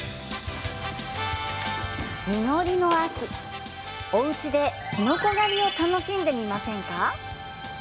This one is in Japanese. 実りの秋おうちでキノコ狩りを楽しんでみませんか。